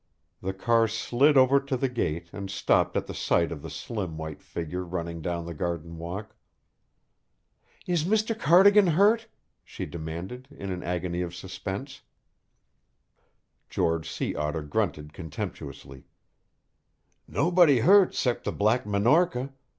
The car slid over to the gate and stopped at the sight of the slim white figure running down the garden walk. "Is Mr. Cardigan hurt?" she demanded in an agony of suspense. George Sea Otter grunted contemptuously. "Nobody hurt 'cept the Black Minorca.